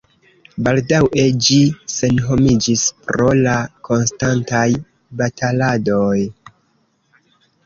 Baldaŭe ĝi senhomiĝis pro la konstantaj bataladoj.